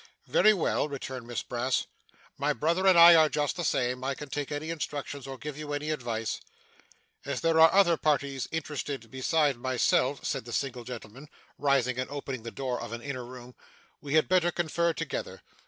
'Very well,' returned Miss Brass. 'My brother and I are just the same. I can take any instructions, or give you any advice.' 'As there are other parties interested besides myself,' said the single gentleman, rising and opening the door of an inner room, 'we had better confer together.